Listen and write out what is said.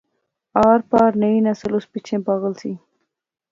آر پار نئی نسل اس پچھے پاغل سی